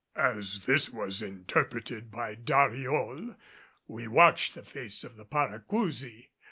As this was interpreted by Dariol we watched the face of the Paracousi.